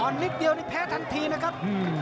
อ่อนนิดเดียวแพ้ทันทีนะครับ